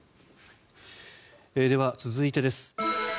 では、続いてです。